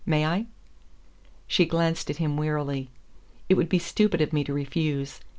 May I?" She glanced at him wearily. "It would be stupid of me to refuse.